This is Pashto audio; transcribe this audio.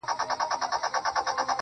یم به د خپل ژوند د وطن باشنده